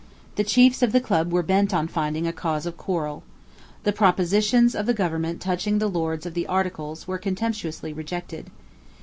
The chiefs of the Club were bent on finding a cause of quarrel. The propositions of the Government touching the Lords of the Articles were contemptuously rejected.